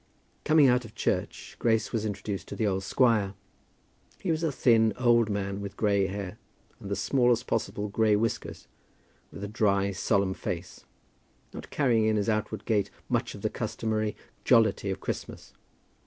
Coming out of church, Grace was introduced to the old squire. He was a thin, old man, with grey hair, and the smallest possible grey whiskers, with a dry, solemn face; not carrying in his outward gait much of the customary jollity of Christmas.